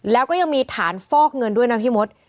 แล้วก็ยังมีฐานฟอกเงินด้วยนะพี่มด